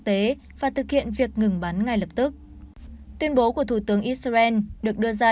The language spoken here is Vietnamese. tế và thực hiện việc ngừng bắn ngay lập tức tuyên bố của thủ tướng israel được đưa ra